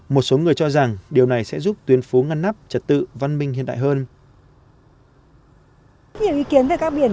một số người cho rằng điều này sẽ giúp tuyến phố ngăn nắp trật tự văn minh hiện đại hơn